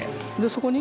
そこに？